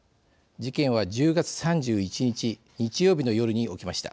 事件は１０月３１日日曜日の夜に起きました。